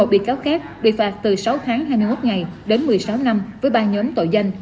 một mươi bị cáo khác bị phạt từ sáu tháng hai mươi một ngày đến một mươi sáu năm với ba nhóm tội danh